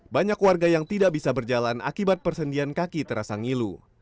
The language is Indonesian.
banyak warga yang tidak bisa berjalan akibat persendian kaki terasa ngilu